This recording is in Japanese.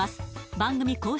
番組公式